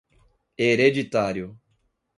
hereditário